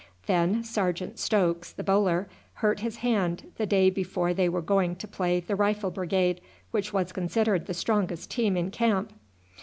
Then Sergeant Stokes, the bowler, hurt his hand the day before they were going to play the Rifle Brigade, which was considered the strongest team in camp.